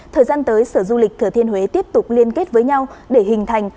thời gian tới sở du lịch thừa thiên huế tiếp tục liên kết với nhau để hình thành